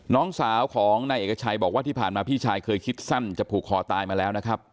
น้องสาวของนายเอกชัยบอกว่าที่ผ่านมาพี่ชายเคยคิดสั้นจะผูกคอตายมาแล้วนะครับ